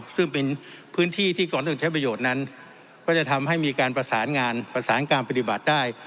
ซึ่งเป็นพื้นที่ที่ก่อนเรื่องใช้ประโยชน์นั้นก็จะทำให้มีการประสานงานประสานการปฏิบัติได้